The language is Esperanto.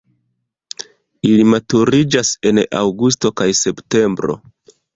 Ili maturiĝas en aŭgusto kaj septembro.